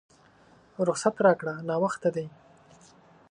رخصت راکړه ناوخته دی!